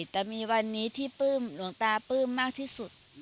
แต่มีวันนี้ที่ปลื้มหลวงตาปลื้มมากที่สุด